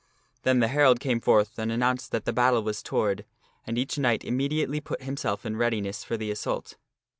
Then the herald came forth and announced that the battle was toward, and each knight immediately put himself in readiness for the assault.